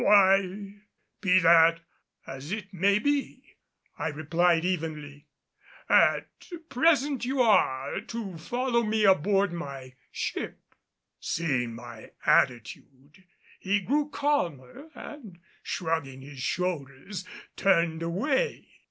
"Why, that will be as it may be," I replied evenly, "at present you are to follow me aboard my ship." Seeing my attitude, he grew calmer and shrugging his shoulders, turned away.